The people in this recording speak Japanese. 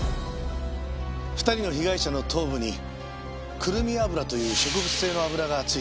２人の被害者の頭部にくるみ油という植物性の油がついていました。